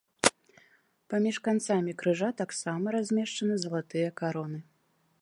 Паміж канцамі крыжа таксама размешчаны залатыя кароны.